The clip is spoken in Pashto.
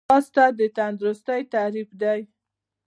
ځغاسته د تندرستۍ تعریف دی